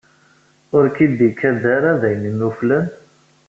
Ur k-d-ikad ara d ayen inuflen?